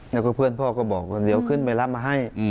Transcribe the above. แล้วก็เพื่อนพ่อก็บอกว่าเดี๋ยวขึ้นไปรับมาให้